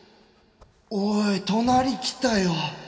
おい隣来たよ